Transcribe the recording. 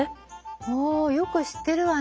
あよく知ってるわね。